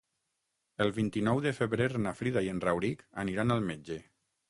El vint-i-nou de febrer na Frida i en Rauric aniran al metge.